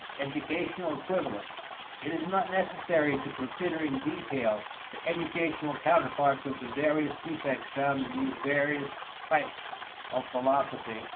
Educational Equivalents. It is not necessary to consider in detail the educational counterparts of the various defects found in these various types of philosophy.